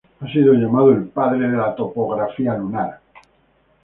Ha sido llamado el "padre de la topografía lunar".